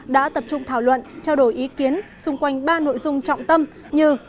đã tập trung thảo luận trao đổi ý kiến xung quanh ba nội dung trọng tâm như